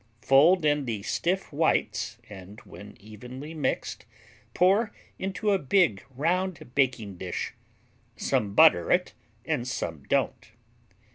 Fold in the stiff whites and when evenly mixed pour into a big, round baking dish. (Some butter it and some don't.)